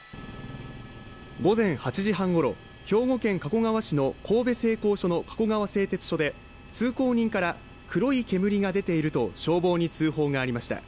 午前８時半ごろ、兵庫県加古川市の神戸製鋼所の加古川製鉄所で、通行人から黒い煙が出ていると消防に通報がありました。